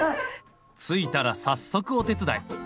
着いたら早速お手伝い。